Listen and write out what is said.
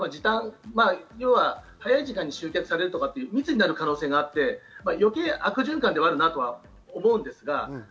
早い時間に集客されると密になる可能性があって、余計、悪循環であると思います。